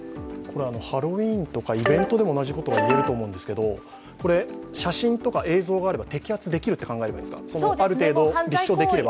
ハロウィーンとかイベントでも同じことが言えると思うんですが写真とか映像があれば摘発できるって考えられますか、立証できれば。